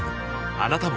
あなたも